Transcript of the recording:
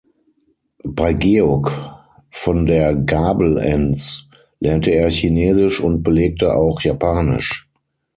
Bei Georg von der Gabelentz lernte er Chinesisch und belegte auch Japanisch.